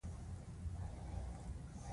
ژبپوهان په نړیواله کچه په دې نظر دي